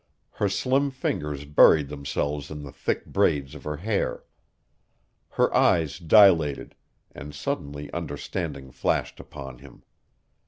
Her slim fingers buried themselves in the thick braids of her hair. Her eyes dilated and suddenly understanding flashed upon him.